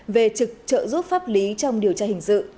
về trực trợ giúp pháp lý trong điều tra hình dự